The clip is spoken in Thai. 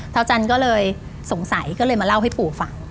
อาจารย์ก็เลยสงสัยก็เลยมาเล่าให้ปู่ฟัง